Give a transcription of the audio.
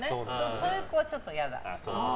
そういう子は、ちょっと嫌だ。